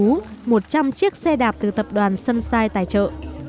nội chú một trăm linh chiếc xe đạp từ tập đoàn sunshine tài trợ